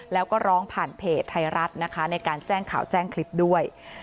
แล้วก็ร้องผ่านเพจไทยรัฐนะคะในการแจ้งข่าวแจ้งคลิปด้วย